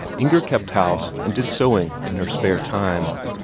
Inger kept house, and did sewing in her spare time.